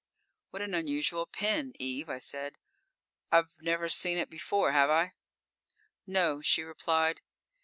_ "What an unusual pin, Eve," I said "I've never seen it before, have I?" _"No," she replied.